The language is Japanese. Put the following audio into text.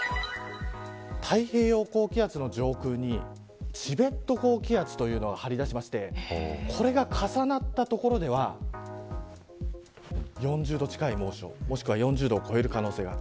太平洋高気圧の上空にチベット高気圧というのが張り出しましてこれが重なった所では４０度近い猛暑、もしくは４０度を超える可能性がある。